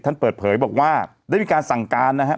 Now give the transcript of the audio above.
ท่านเปิดเผยบอกว่าได้มีการสั่งการนะฮะ